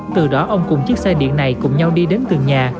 từ đó ông cùng chiếc xe điện này cùng nhau đi đến từng nhà